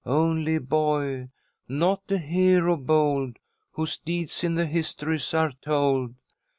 Only a boy! Not a hero bold, Whose deeds in the histories are told.